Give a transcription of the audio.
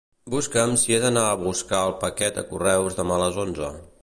Busca'm si he d'anar a buscar el paquet a correus demà a les onze.